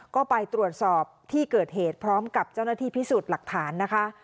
ก็ไปตรวจสอบที่เกิดเหตุพร้อมกับเจ้าหน้าที่พิสูจน์หลักฐานนะคะ